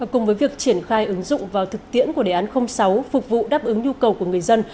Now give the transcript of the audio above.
cùng với việc triển khai ứng dụng vào thực tiễn của đề án sáu phục vụ đáp ứng nhu cầu của người dân